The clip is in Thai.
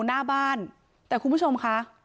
หน้าบ้านแต่คุณผู้ชมค่ะ